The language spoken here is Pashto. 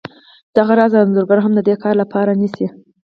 دغه راز انځورګر هم د دې کار لپاره نیسي